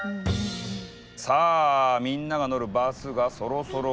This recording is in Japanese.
さあみんなが乗るバスがそろそろ。